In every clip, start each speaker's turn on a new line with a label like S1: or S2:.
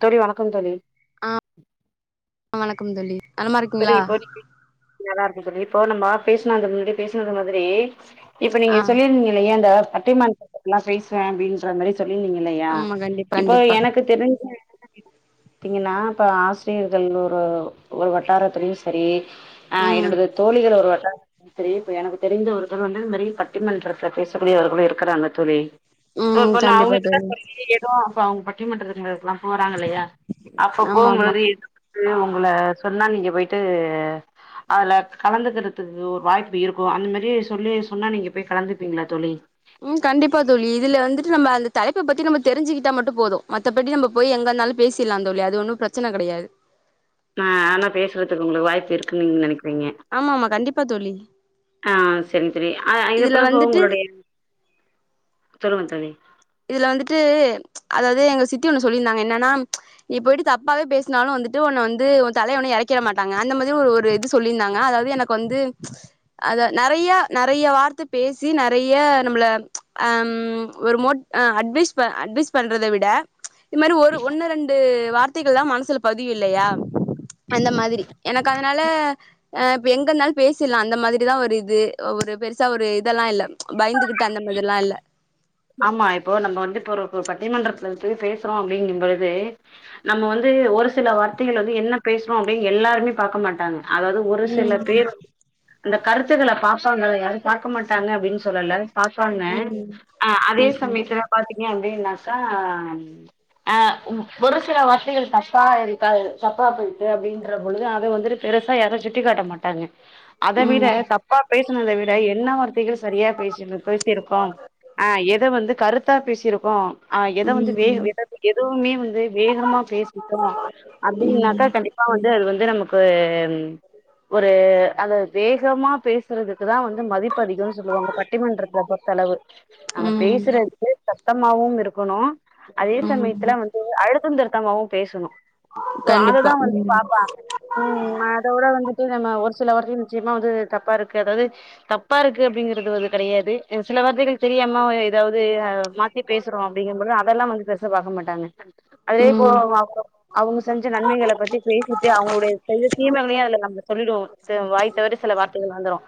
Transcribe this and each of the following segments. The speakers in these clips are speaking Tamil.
S1: தோழி வணக்கம் தோழி
S2: ஆ வணக்கம் தோழி நலமா
S1: தோழி
S2: இருக்கீங்களா
S1: இப்போ நல்லா இருக்கு தோழி இப்போ நம்ம பேசுனோ அந்த முன்னாடி பேசுனது மாதிரி இப்ப நீங்க
S2: ஆ
S1: சொல்லிருந்தீங்கல்லைய அந்த ஆஃப் [unintelligible] நல்லா பேசுவே அப்படின்ற மாரி சொல்லிருந்தீங்க இல்லையா
S2: ஆமா கண்டிப்பா
S1: இப்போ
S2: கண்டிப்பா
S1: எனக்கு தெரிஞ்ச த்தீங்கன்னா இப்ப ஆசிரியர்கள் ஒரு ஒரு வாட் வாரத்துலயு செரி ஆ
S2: ம்
S1: என்னோடது தோழிகள் ஒரு வாட்ட சேரி இப்ப எனக்கு தெரிந்த ஒருதவுங்க வந்து நெறைய பட்டிமண்றத்துல பேசக்கூடியவர்களும் இருக்குறாங்க தோழி போ
S2: ம்
S1: இப்ப நான்
S2: கண்டிப்பா
S1: அவுங்ககிட்ட
S2: தோழி
S1: சொல்லி எதோ அப்ப அவுங்க பண் க பண்றதுங்கதுல்லாம் [unintelligible] போறாங்கல்லயா அப்ப
S2: ஆமா ஆமா
S1: போம்பொழுது [unintelligible] உங்கள சொன்னா நீங்க போய்ட்டு அதுல கலந்துக்கிறதுக்கு ஒரு வாய்ப்பு இருக்கூ அந்த மாரி சொல்லி சொன்னா நீங்க போய் கலந்துப்பீங்ளா தோழி
S2: உம் கண்டிப்பா தோழி இதுல வந்திட்டு நம்ம அந்த தலைப்ப பத்தி நம்ம தெரிஞ்சுக்கிட்டா மட்டூ போதூ மத்தபடி நம்ம போயி எங்கனாலூ பேசிர்லா தோழி அது ஒண்ணூ பிரச்சன கெடையாது
S1: ஆ ஆனா பேஸ்றதுக்கு உங்ளுக்கு வாய்ப்பு இருக்குன் நீங்க நெனைக்
S2: ஆமாமா கண்டிப்பா தோழி
S1: செரி் ஆ இது
S2: இதுல
S1: பிள்ளப்பூ
S2: வந்துட்டு
S1: உங்ளுடைய சொல்லுங்க தோழி
S2: இதுல வந்திட்டு அதாவ்து எங்க சித்தி ஒண்ணு சொல்லிருந்தாங்க என்னன்னா நீ போய்ட்டு தப்பாவே பேஸ்னாலூ வந்திட்டு ஒன்ன வந்து ஓ தலைய ஒண்ணூ எறக்கிற மாட்டாங்க அந்த மாதி ஒரு ஒரு இது சொல்லிந்தாங்க அதாவ்து எனக்கு வந்து அத நெறைய நெறைய வார்த்த பேசி நெறைய நம்மள அ ம் ஒரு மோட் ஆ அட்வைஸ்ப்ப அட்வைஸ் பண்றத விட இது மாரி ஒரு ஒண்ணு ரெண்டு வார்த்தைகளா மனசுல பதியு இல்லையா அந்த மாதிரி எனக்கு அதனால அ எங்க இருந்தாலு பேசிடலா அந்த மாதிரிதா ஒரு இது ஒரு பெருசா ஒரு இதெல்லா இல்ல பயந்துகிட்டு அந்த மாதிரி லா இல்ல
S1: ஆமா இப்போ நம்ம வந்து இப்ப ஒரு பட்டிமன்றத்துல பேசுறோ அப்டிங்கும்பழுது நம்ம வந்து ஒரு சில வார்த்தைகள் வந்து என்ன பேசுறோ அப்டின் எல்லாருமே பாக்க மாட்டாங்க அதாவது ஒரு சில
S2: ம்
S1: பேர் அந்த கருத்துக்கள பா ப்ப [unintelligible] யாரு பாக்க மாட்டாங்க அப்டின்னு சொல்லல பாப்பாங்க
S2: ம்
S1: அதே
S2: ம்
S1: சமயத்துல பாத்தீங்க அப்டினாக்கா அ ஒ ஒரு சில வார்த்தைகள் தப்பா இருக்கா தப்பா போயிட்டு அப்படின்ற பொழுது அத வந்துட்டு பெருசா யாரு சுட்டிக் காட்ட மாட்டாங்க அத விட
S2: ம்
S1: தப்பா பேசனத விட என்னவ [unintelligible] சரியா பேசி பேசிிருக்கோ இத வந்து கருத்தா பேசிருக்கோ ஆ எத வந்து வேக
S2: ம்
S1: எத எதுவுமே வந்து வேகமா பேசிட்டோ அப்டினாக்கா
S2: ம்
S1: கண்டிப்பா வந்து அது வந்து நமக்கு ஒரு அந் வேகமா பேசுறதுக்குதா வந்து மதிப்பு அதிகம்னு சொல்லுவாங்க பட்டிமன்றத்துல பொறுத்தளவு நாங்க
S2: ம்
S1: பேசுறதுக்கு சத்தமாவும் இருக் அதே
S2: ம்
S1: சமயத்துல வந்து அழுத்த திருத்தமாவும் பேசணு
S2: கண்டிப்பா
S1: அததான் வந்து
S2: ம்
S1: பாப்பாங்க ம் அதோட வந்துட்டு நம்ம ஒரு சில வார்த்கள் நிச்சயமா வந்து தப்பா இருக்கு அதாவது தப்பா இருக்கு அப்டிங்கற து வது கிடையாது சில வார்த்தைகள் தெரியாம மா ஏதாவது அ மாத்தி பேசுறோ அப்டிங்கும்பது அதெல்லா வந்து பெருசா பாக்க மாட்டாங்க அதேப்போ
S2: ம்
S1: வாவுங்க அவங்க செஞ்ச நன்மைகள பத்தி பேசிட்டு அவங்களுடைய செய்த தீமைகளயு அதுல நம்ம சொல்லிடு வாய்த்தவறி சில வார்த்தைகள் வந்துரும்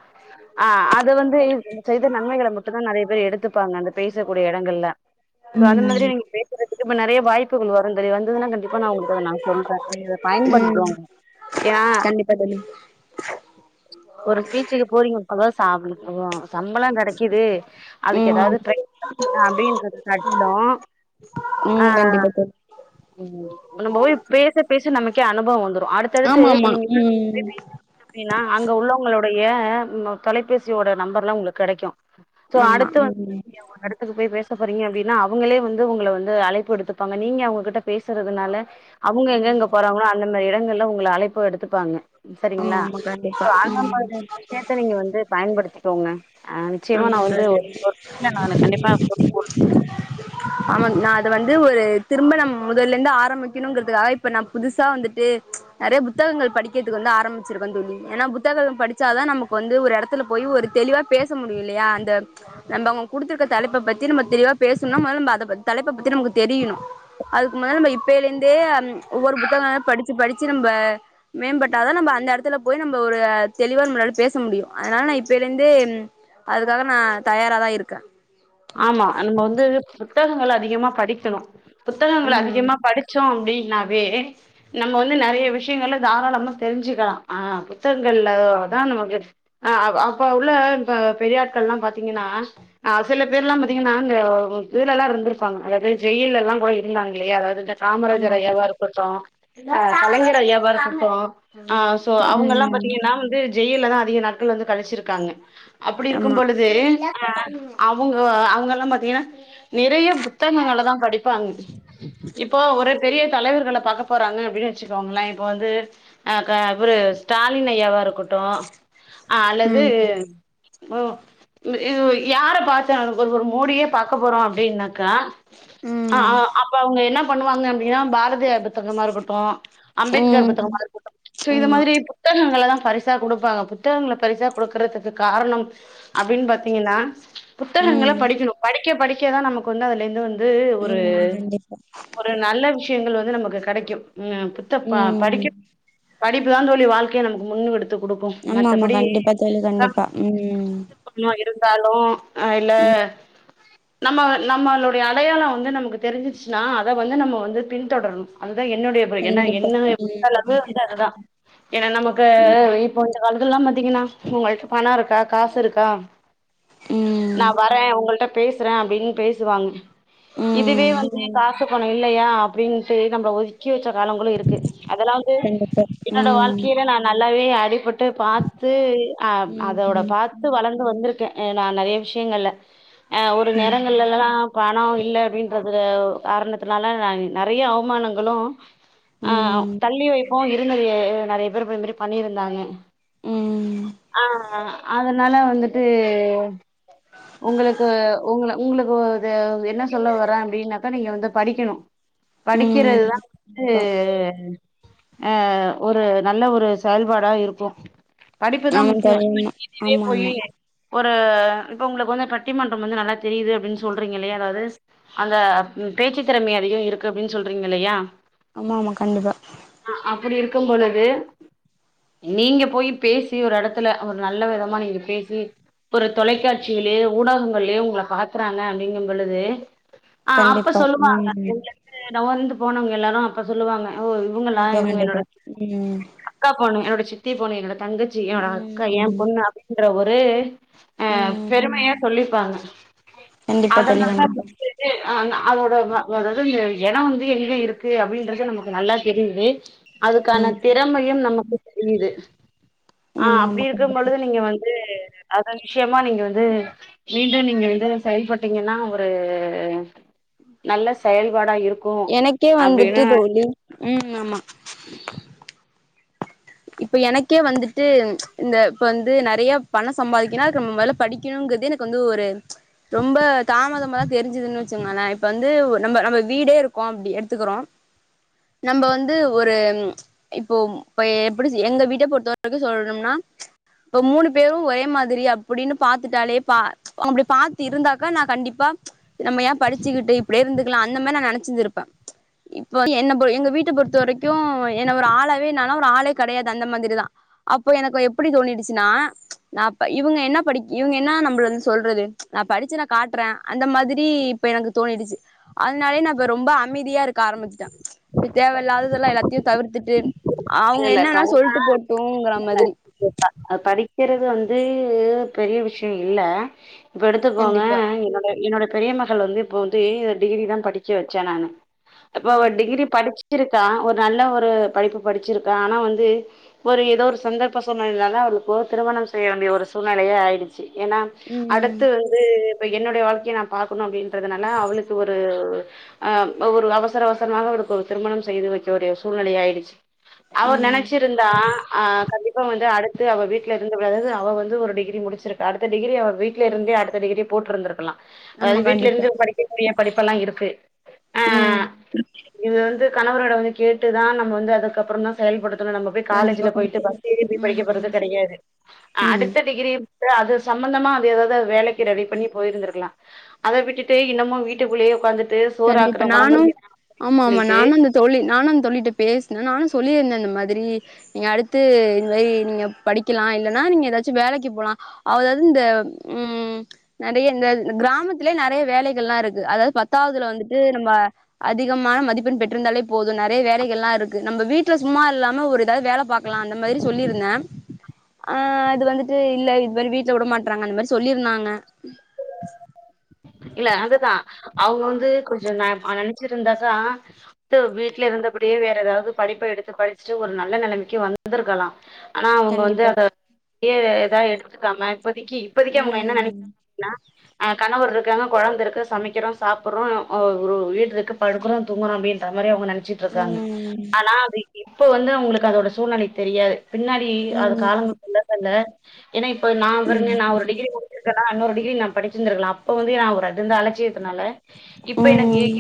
S1: ஆ அது வந்து செய்த நன்மைகளை மட்டுந்தான் நிறைய பேர் எடுத்து ப்பாங்க பேசக்கூடிய இடங்கள்ள அந்த மாதிரி
S2: ம்
S1: நீங்க பேசுறதுக்கு இப்ப நிறைய வாய்ப்புகள் வரும் தெ வந்துதுனா கண்டிப்பா நான் உ நான் சொல்றே
S2: ம்
S1: பயன்படுத்திக்கோங்க ஏன்னா
S2: கண்டிப்பா தோழி
S1: ஒரு பீச்சுக்கு போறீங்க அப்பதான் சாப்பினும் சம்பளம் கிடக்குது அ
S2: ம்
S1: ஏதாவது ட்ரை அதா அப்டின்றத கட்டிடு
S2: ம் கண்டிப்பா தொ
S1: நம்ப போய் பேச பேச நமக்கே அனுபவ வந்து
S2: ஆமா ஆமா ம் ம்
S1: ன்னா அங்க உள்ளவங்களுடையய தொலைபேசியோட நம்பர்லா உங்களுக்கு கிடைக்கு
S2: ஆமா ம் ம்
S1: ஒரு இடத்துக்கு போய் பேச போறீங்க அப்டினா அவங்களே வந்து உங்கள வந்து அழைப்பு எடுத்துக் பாங்க நீங்க அவுங்கக்கிட்ட பேசுறதுனால அவுங்க எங்ககெங்க
S2: ஆமா
S1: போறாங்களோ அந்த மேர் இடங்கள்ல உங்கள அழைப்பு எடுத்துப்பாங்க சரிங்ளா
S2: ஆமா கண்டிப்பா
S1: அந்த
S2: ம்
S1: மாரி விஷ்யத்த நீங்க வந்து பயன்படுத்திக்கோங்க அ நிச்யமா
S2: ஆமா
S1: நா வந்து
S2: தோழி
S1: இல்ல நானு கண்டிப்பா [unintelligible]
S2: ஆமா நா அத வந்து ஒரு திரும்ப நம் முதல்லருந்து ஆரம்பிக்கிணுங்கறதுக்காக இப்போ நா புதுசா வந்துட்டு நறைய புத்தகங்கள் படிக்கிறதுக்கு வந்து ஆரம்பிச்சிருக்க தோழி ஏன்னா புத்தகங்கள் படிச்ச தா நமக்கு வந்து ஒரு எடத்துல போய் ஒரு தெளிவா பேச முடியு இல்லையா அந்த நம்ப அவுங்க குடுத்துருக்கற தலைப்பப்பத்தி நம்ப தெளிவா பேசுணுன்னா மொதல்ல நம்ப அதப்பத் தலைப்பப்பத்தி நமுக்கு தெரியணு அதுக்கு முன்னால நம்ம இப்பேலேந்தே ஆம் ஒவ்வொரு புத்தகமா படிச் படிச்சு படிச்சு நம்ப மேம்பட்டாதா நம்ப அந்த எடத்துல போய் நம்ப ஒரு தெளிவா நம்பளால பேச முடியு அதனால நா இப்பேலேந்தே அதுக்காக நா தயாரா தா இருக்கே
S1: ஆமா நம்ப வந்து புத்தகங்கள் அதிகமா படிக்கணு புத்தகங்கள்
S2: ம்
S1: அதிகமா படிச்சோ அப்டின் ன்னாவே நம்ம வந்து நறைய விஷ்யங்கல தாராளமா தெரிஞ்சுக்கலா ஆ புத்தகங்கள்ல [unintelligible] தா நமக்கு ஆ அப்-அப்ப உள்ள ஆ பெரியாட்கள்லா பாத்தீங்கன்னா ஆ சில பேர்லாம் பாத்தீங்கன்னா நாங்க இதுல எல்லாம் இருந்திருப்பாங்க அதாவது ஜெயில் எல்லாம் போய் இருந்தாங்களே அதாவது
S2: ஆமா
S1: காமராஜர்
S2: ஆமா
S1: ஐயவா இருக்கட்டூ அ கலைஞர் ஐயவா இருக்கட் [unintelligible] ஆ சோ அவங்கெல்லாம்
S2: ம்
S1: பாத்தீங்கன்னா வந்து ஜெயிலதா அதிக நாட்கள் வந்து கழிச்சிருக்காங்க அப்படி இருக்கும்
S2: ஆமா
S1: பொழுது அவங்க அவங்க எல்லாம் பாத்தீங்கன்னா நிறைய புத்தகங்கள தான் படிப்பாங்க இப்போ ஒரு பெரிய தலைவர்கல பாக்க போறாங்க அப்படின்னு வச்சுக்கோங்களேன் இப்ப வந்து அ இவரு ஸ்டாலின் ஐயா வா இருக்கட்டும் ஆ அல்லது
S2: ம்
S1: ஓ [unintelligible] யார பாத்து அனுப்ப [unintelligible] மோடியே பாக்க போறோ அப்படின்னாக்கா ஆ
S2: ம்
S1: அப்ப அவங்க என்ன பண்ணுவாங்க அப்படின்னா பாரதியார் புத்தகமா இருக்கட்டூ அம்பேத்கார்
S2: ம்
S1: புத்தகமா இருக்கட்டூ ப்ச் சோ இது
S2: ஆமா
S1: மாரி புத்தகங்கள் எல்லா பரிசா குடுப்பாங்க புத்தகங்கள பரிசா குடுக்குறதுக்கு காரணம் அப்படின்னு பாத்தீங்கன்னா புத்தகங்கள
S2: ம் ம்
S1: படிக்கணும் படி படிக்க படிக்கதா நமக்கு வந்து அதுல இது வந்து து ஒரு
S2: ஆமா கண்டிப்பா
S1: ஒரு நல்ல விஷய விஷயங்கள் வந்து நமக்கு கிடைக்கு உம் புத்த படிக்க
S2: ம்
S1: படி தாந்தோழி வாழ்க்கையே நமக்கு முன்னூடு
S2: ஆமா ஆமா கண்டிப்பா தோழி கண்டிப்பா ம்
S1: இருந்தாலும் அய்ல
S2: ம்
S1: நம்ம நம்மளுடைய அடையாளம் வந்து நமக்கு தெரிஞ்சிச்சுன்னா அத வந்து நம்ம வந்து பின்தொடரணும் அதா என்னுடைய பிறை என்னா
S2: கண்டிப்பா
S1: என்ன [inaudible] வந்த அளவு
S2: ம்
S1: வந்து அதுதா ஏன்னா நமக்கு இப்ப வந் வந்துதா பாத்தீங்கனா உங்கள்ட்ட பணோருக்கா காசுருக்கா நா
S2: ம்
S1: வரே உங்கள்ட்ட பேசுறே அப்டின் பேசுவாங்க இதுவே
S2: ம்
S1: வந்து காசு பணோ இல்லையா அப்புடின்ட்டு நம்பள ஒதுக்கி க்கி வெச்ச காலங்களு இருக்கு அதல்லா வந்து
S2: கண்டிப்பா
S1: என்னோட
S2: ம்
S1: வாழ்க்கியில நா நல்லாவே அட் நடைபட் ட்டு பாத்து
S2: ம்
S1: அ-அதோட
S2: ம்
S1: பாத்து வளர்ந்து வந்துருக் அ நா நறைய விஷ்யங்கள்ல அ ஒரு
S2: ம்
S1: நேரங்கள்லல்லாம் பணோ இல்ல அப்பிடின்றது காரணத்துனால நறைய அவமானங்களு அ
S2: ம்
S1: தள்ளி வைப்பு இருந்தது நறைய பேரு [unintelligible] இது மேரி பண்ணியிருந்தாங்க
S2: ம்
S1: ஆஹ் அத அதனால வந்துட்டு த்து உங்களுக்கு உங்கள உங்களுக்கு ஒரு என்ன சொல்ல வர அப்டின்னாக்கா நீங்க வந்து படிக்கெணு
S2: ம்
S1: படிக்கெறதுதா [inaudible] ந்து
S2: கண்டிப்பா
S1: அ ஒரு நல்ல ஒரு செயல்பாடா இருக்கும் படிப்புதா
S2: ஆமா
S1: முக்கியோ
S2: தோழி
S1: [inaudible] வே
S2: ஆமா
S1: போயி
S2: ஆமா
S1: எ ஒரு இப்ப உங்களுக்கு வந்து பட்டிமன்றம் வந்து நல்லா தெரியுது அப்டின்னு சொல்றீங்கெல்லையா அதாவது அந்த ம் பேச்சு திறமை அதிகம் இருக்கு அப்டின்னு சொல்றீங்கெல்லையா
S2: ஆமா ஆமா கண்டிப்பா
S1: அப்படி இருக்கும் பொழுது நீங்க போய் பேசி ஒரு எடத்துல ஒரு நல்ல விதமா நீங்க பேசி ஒரு தொலைக்காட்சியிலேயே ஊடகங்கள்லயே உங்கள பாக்குறாங்க அப்படிங்கும் பொழுது ஆ அப்ப
S2: கண்டிப்பா
S1: சொல்லுவாங்க
S2: ம்
S1: இங்க இருந்து டவல்ந்து போனவங்க எல்லாரோ அப்ப சொல்லுவாங்க ஓ இவுங்கல்லா
S2: கண்டிப்பா
S1: இவுங்க என்னோட
S2: கண்டிப்பா
S1: ச
S2: ம்
S1: அக்கா பொன்னு என்னோட ச தீ போலே என்னுடன் தங்கச்சி என்னோட
S2: ம்
S1: அக்கா என் பொண்ணு அப்டீன்ற ஒரு அதே அ
S2: ம்
S1: பெருமையா சொல்லிப்பாங்க
S2: கண்டிப்பா
S1: அதனால
S2: தோழி கண்டிப்பா
S1: [unintelligible] அதோட [unintelligible] எடோ வந்து எங்க இருக்கு அப்படின்றது நமக்கு நல்லா தெரியுது அதுக்கான திறமையும் நமக்கு இது ஆ
S2: ஆமா
S1: அப்டி
S2: ஆமா
S1: இருக்கும்
S2: கண்டிப்பா
S1: பொழுது நீங்க வந்து அத விஷயமா நீங்க வந்து மீண்டும் நீங்க வந்து செயல்பட்டீங்கன்னா ஒரு நல்ல செயல்பாடா இருக்
S2: எனக்கே வந்துட்டு தோழி ம் ஆமா இப்ப எனக்கே வந்துட்டு இந்த இப்ப வந்து நறைய பணோ சம்பாதிக்கனோ அதுக்கு நம்ம முதல்லே படிக்கணுங்கறது எனக்கு வந்து ஒரு ரொம்ப தாமதமா தெரிஞ்சுதுன்னு வச்சுகோங்கள வந்து நம் நம்ம வீடே இருக்கோ அப்படி எடுத்துக்கிறோம் நம்ம வந்து ஒரு இப்போ அப்படி எங்க வீட்ட பொறுத்த வரைக்கும் சொல்லணும்னா இப்ப மூணு பேரும் ஒரே மாதிரி அப்படின்னு பாத்துட்டாலே பா அப்படி பாத்து இருந்தாக்கா நா கண்டிப்பா நம்ம ஏன் படிச்சிகிட்டு இப்டியே இருந்துக்கலா அந் அந்த மாரி நா நெனைச்சு இருப்பே இப்ப என் எங்க வீட்ட பொறுத்த வெரைக்கோ ஒரு ஆளாவே நா ஒரு ஆளாவே கடையாது அந்த மாரி தா அப்போ எனக்கு எப்படி தோணிடுச்சுன்னா நா இவுங்க என்ன படி இவுங்க என்ன நம்ம வந்து சொல்றது நா படிச்சு நா காட்டுற அந்த மாரி இப்ப எனக்கு தோணிடுச்சு அதனாலயே நா இப்ப ரொம்ப அமைதியா இருக்க ஆரம்பிச்சுட்ட தேவயில்லாததெல்லா எல்லாத்தையு தவிர்த்துட்டு அவ்ங்
S1: [unintelligible] படிக்கிறது வந்து து பெரிய விஷ்யோ இல்ல இப்போ எடுத்துக்கோங்க
S2: கண்டிப்பா
S1: என்னோட என்னோட பெரிய மகள் வந்து இப்போ டிகிரி டிகிரி தா படிக்க வெச்ச நானு அப்ப அவ
S2: ம்
S1: டிகிரி படிச்சி ருக்கா ஒரு நல்ல ஒரு படிப்பு படிச்சிருக்கா ஆனா வந்து ஒரு ஏதோ ஒரு சந்தர்ப்ப சூழ்நிலைலதா அவளுக்கு திருமணோ செய்ய வேண்டிய ஒரு சூழ்நிலையே ஆய்டிச்சு ஏன்னா
S2: ம்
S1: அடுத்து வந்து பெய் என்னுடைய வாழ்க்கைய நா பாக்கணோ அப்டின்றதனால அவளுக்கு ஒரு அ ஒரு அவசர அவசரமாக அவளுக்கு ஒரு திருமணம் செய்து வெக்க வேண்டிய ஒரு சூழ்நிலை ஆயிடுச்சு அவரு
S2: ம்
S1: நெனச்சிருந்தா அ கண்டிப் அப்போ வந்து அடுத்து அவ வீட்ல இருந்து அதாவ்து அவ வந்து ஒருடிகிரி முடிச்சிருக்கு அடுத்த டிகிரி அவ வீட்லேருந்தே அடுத்த டிகிரிய போட்ருந்தருக்கலாம்
S2: ஆமா
S1: அது வீட்ல
S2: கண்டிப்பா
S1: இருந்துப் படிக்கக்கடிய படிப்பெல்லான் இருக்கு ஆ
S2: ம்
S1: இது வந்து கணவரோட வந்து கேட்டுதான் நம்ம வந்து அத க்கப்பறம் தான் செயல்படுத் நம்ம போய்
S2: கண்டிப்பா
S1: காலேஜ்ல போயிட்டு
S2: கண்டிப்பா
S1: ஃபஸ்ட் டிகிரி படிக்க போறது
S2: ம்
S1: கிடையாது
S2: ம்
S1: அடுத்த டிகிரி அது சம்பந்தமா அது ஏதாவது வேலைக்கு ரெடி பண்ணி போயிருந்திருக்கலாம் அதை விட்டுட்டு இன்னமும் வீட்டுக்குள்ளயே உட்காந்துட்டு சோறு
S2: கண்டிப்பா
S1: ஆக்குறேன், குழம்பு
S2: நானும்
S1: வைக்கிறேன்னு
S2: ஆமா ஆமா
S1: சொல்லிட்டு
S2: நானும் அந்த தோழி நானும் அந்த தோழிட்டே பேசினேன் நானும் சொல்லிருந்த அந்த மாதிரி நீங்க அடுத்து இது மாதிரி நீங்க படிக்கலாம் இல்ன்னா நீங்க ஏதாச்சும் வேலைக்கு போலாம் அதாவது இந்த உ நிறைய இந்த கிராமத்திலே நிறைய வேலைகள்லாம் இருக்கு அதாவது ப பத்தாவதுல வந்துட்டு நம்ம அதிகமான மதிப்பெண் பெற்றிருந்தாலே போதும் நிறைய வேலைகள் எல்லாம் இருக்கு நம்ம வீட்டு வீடல சும்மா இல்லாம ஒரு ஏதாவது வேலை பாார்கக்கலாம் அந்த மாதிரி சொல்லிருந்தேன் ஆஹ் அது வந்துட்டு இல்ல இது மாதிரி வீட்டுல விட மாட்டறாங்க அந்த மாதிரி சொல்லிருந்தாங்க
S1: இல்ல அதுதான் அவங்க வந்து கொஞ்சம் ந நினைச்ச இருந்தாச்சா வீட்டுல இருந்தபடியே வேற ஏதாவது படிப்பை எடுத்து படிச்சுட்டு ஒரு நல்ல நிலைமைக்கு வந்திருக்கலாம் ஆனா அவங்க வந்து
S2: கண்டிப்பா
S1: அத ஏ ஏதா எடுத்துக்காம இப்பததிக்கு இப்போதக்கு அவங்க என்ன
S2: ம்
S1: நினைக்கானா அஹ் கணவர் இருக்காங்க குழந்தை இருக்கு சமைக்கிறோம் சாப்பிடடுறோம் ் ஒரு வீட்டு இருக்கு படுக்கறோம் தூங்றோ அப்டின்ற மாதிரி அவுங்க ட்டு இருக்காங்க
S2: ம்
S1: ஆனா அது இப்ப வந்து அவுங்களுக்கு அதோட சூழ்நிலை தெரியாது பின்னாடி
S2: ம்
S1: அது காலங்கல்லதல்ல ஏன்னா இப்ப நா
S2: ம்
S1: பாருங்க நா ஒரு டிகிரி முடிச்சுருக்கனா இன்னொரு படிச்சிருத்திருக்கலா அப்ப வந்து நா ஒரு அதுந்த அலட்சியதுனால இப்ப எனக்கு
S2: ம்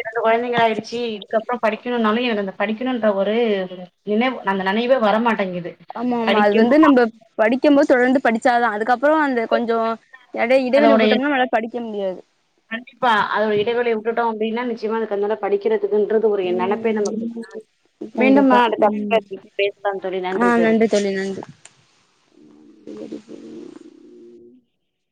S1: இரண்டு கொழந்தைங்கள ஆயிடுச்சு இதுக்கப்புறோ படிக்கணும்னாலும் எனக்கு அந்த படிக்கணும்ன்ற ஒரு நினைவு அந்த நினைவே வரமாட்டேங்குது
S2: ஆமா ஆமா அது
S1: படிக்கணு
S2: வந்து நம்ம படிக்கும் போது தொடந்து படி படிச்சாதா அதுக்கப் அப்புறோ அந்த கொஞ்சோ எட இடைவளி
S1: அதோடைய
S2: விட்டோம்னா நம்மளால படி நிக்க முடியாது
S1: கண்டிப்பா அதோட இடைவேளைய விட்டு டோம் அப்படின்னா நிச்சயமா தன்னால படிக்கிறது இதுன்றது ஒரு நெனப்பே இல்லாம
S2: ம்
S1: நமக்கு மீண்டும் நா
S2: கண்டிப்பா ம்
S1: அடுத்த [unintelligible] பேசலா தோழி நன்றி தோழி